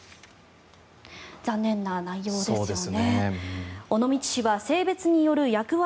残念な内容ですよね。